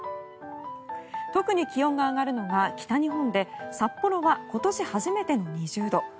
特に気温が上がるのが北日本で札幌は今年初めての２０度。